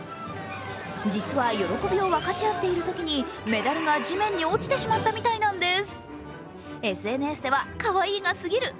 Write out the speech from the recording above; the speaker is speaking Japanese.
実は喜びを分かち合っているときにメダルが地面に落ちてしまったみたいなんです。